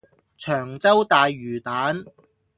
長洲大魚蛋